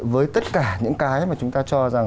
với tất cả những cái mà chúng ta cho rằng